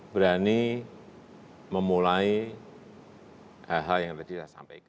berani memulai hal hal yang tadi saya sampaikan